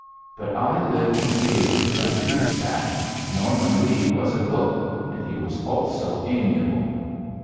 But I lived to be able to refute that. Norman Lee was a cook, and he was also amiable.